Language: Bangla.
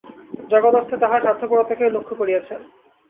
জগৎ অর্থে তাঁহারা স্বার্থপরতাকেই লক্ষ্য করিয়াছেন।